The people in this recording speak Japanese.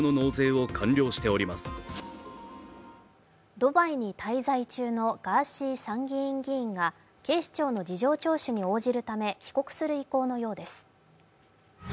ドバイに滞在中のガーシー参議院議員が警視庁の事情聴取に応じるため帰国する意向のようです。